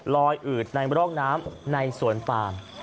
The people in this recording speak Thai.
อืดในร่องน้ำในสวนปาม